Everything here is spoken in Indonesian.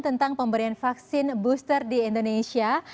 tentang pemberian vaksin booster di indonesia